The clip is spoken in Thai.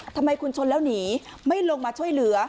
ทำไมคุณชนแล้วหนีไม่ลงมาช่วยเหลือ